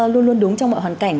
luôn luôn đúng trong mọi hoàn cảnh